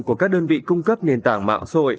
của các đơn vị cung cấp nền tảng mạng xôi